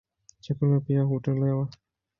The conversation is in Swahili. Chakula pia hutolewa.